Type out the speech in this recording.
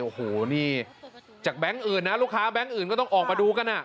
โอ้โหนี่จากแบงค์อื่นนะลูกค้าแบงค์อื่นก็ต้องออกมาดูกันอ่ะ